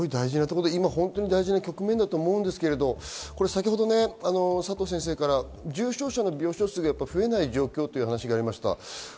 今、大事な局面だと思うんですけど、先ほど佐藤先生から重症者の病床数が増えない状況というのがありました。